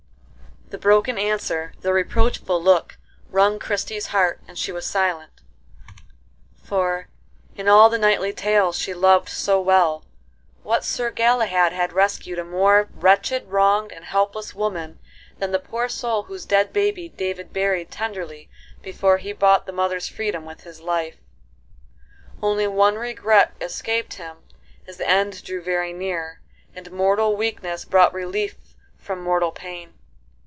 The broken answer, the reproachful look, wrung Christie's heart, and she was silent: for, in all the knightly tales she loved so well, what Sir Galahad had rescued a more wretched, wronged, and helpless woman than the poor soul whose dead baby David buried tenderly before he bought the mother's freedom with his life? Only one regret escaped him as the end drew very near, and mortal weakness brought relief from mortal pain.